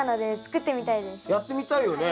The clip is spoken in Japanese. やってみたいよね。